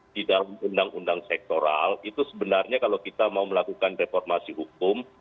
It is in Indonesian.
di dalam undang undang sektoral itu sebenarnya kalau kita mau melakukan reformasi hukum